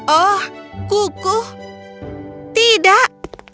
oh kuku tidak